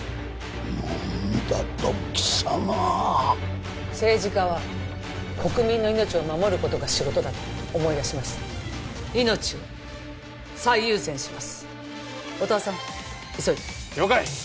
何だと貴様政治家は国民の命を守ることが仕事だと思い出しました命を最優先します音羽さん急いで了解！